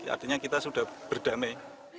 artinya kita sudah berdamai